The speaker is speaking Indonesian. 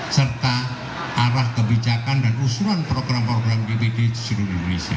serta arah kebijakan dan usulan program program dpd di seluruh indonesia